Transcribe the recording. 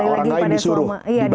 orang lain disuruh